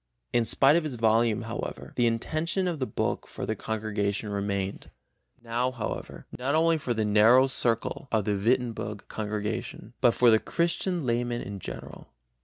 In spite of its volume, however, the intention of the book for the congregation remained, now however, not only for the narrow circle of the Wittenberg congregation, but for the Christian layman in general.